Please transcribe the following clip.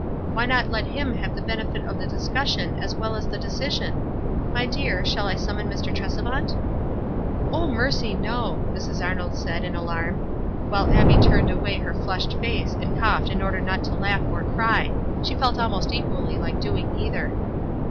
Why not let him have the benefit of the discussion as well as the decision? My dear, shall I summon Mr. Tresevant?" "Oh, mercy, no!" Mrs. Arnold said, in alarm ; while Abbie turned away her flushed face, and coughed in order not to laugh or cry — she felt almost equally like doing either.